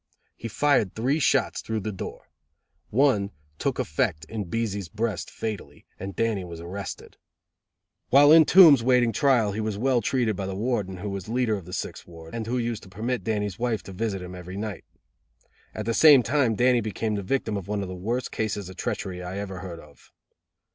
He fired three shots through the door. One took effect in Beeze's breast fatally, and Dannie was arrested. While in Tombs waiting trial he was well treated by the warden, who was leader of the Sixth Ward, and who used to permit Dannie's wife to visit him every night. At the same time Dannie became the victim of one of the worst cases of treachery I ever heard of.